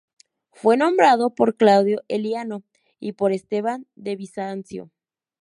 Fue nombrado por Claudio Eliano y por Esteban de Bizancio.